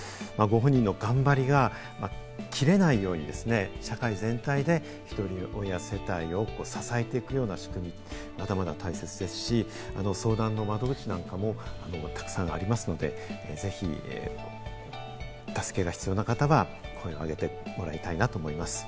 ご本人の頑張りが切れないように、社会全体で１人親世帯を支えていくような仕組み、まだまだ大切ですし、相談の窓口なんかもたくさんありますので、ぜひ助けが必要な方は声を上げてもらいたいなと思います。